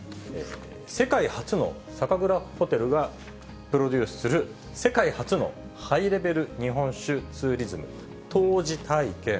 世界初の酒蔵ホテルがプロデュースする、世界初のハイレベル日本酒ツーリズム、杜氏体験。